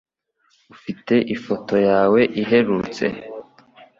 Ufite ifoto yawe iherutse?